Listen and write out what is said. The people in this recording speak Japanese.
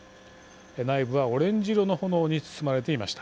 内部はオレンジ色の炎に包まれていました。